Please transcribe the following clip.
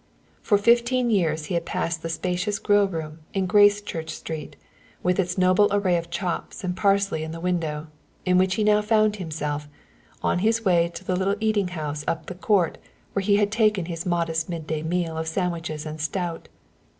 For fifteen years he had passed the spacious grill room in Gracechurch Street, with its noble array of chops and parsley in the window, in which he now found himself, on his way to the little eating house up the court where he had taken his modest midday meal of sandwiches and stout.